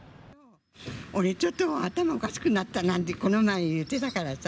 俺ちょっと頭おかしくなったなんてこの前、言ってたからさ。